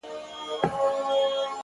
د هېلۍ چيچي ته څوک اوبازي نه ور زده کوي.